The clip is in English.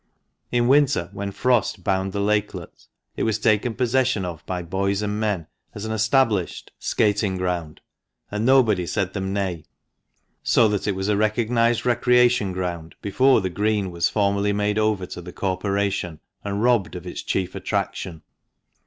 In winter, when frost bound the lakelet, it was taken possession of by boys and men as an established skating ground, and nobody said them nay. So that it was a recognised recreation ground before the Green was formally made over to the Corporation, and robbed of its chief attraction.